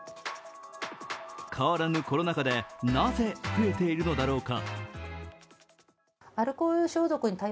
変わらぬコロナ禍で、なぜ増えているのだろうか。